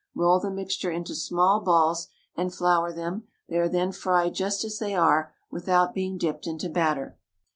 Roll the mixture into small balls and flour them; they are then fried just as they are, without being dipped into batter.